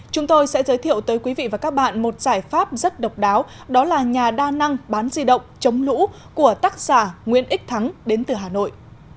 chúng tôi sẽ giới thiệu tới quý vị và các bạn một giải pháp rất độc đáo đó là nhà đa năng bán di động chống lũ của tác giả nguyễn ích thắng đến từ hà nội